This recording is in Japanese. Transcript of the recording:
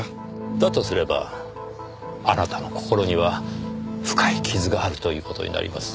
だとすればあなたの心には深い傷があるという事になります。